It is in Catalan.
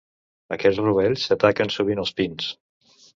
Aquests rovells ataquen sovint als pins.